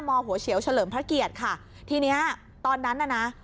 มหโหเฉียวเฉลิมพระเกียรติครบที่นี้ตอนนั้น